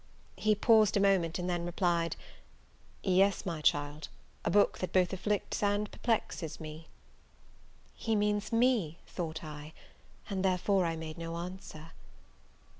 He paused a moment, and then replied, "Yes, my child; a book that both afflicts and perplexes me." He means me, thought I; and therefore I made no answer.